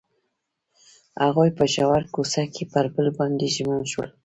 هغوی په ژور کوڅه کې پر بل باندې ژمن شول.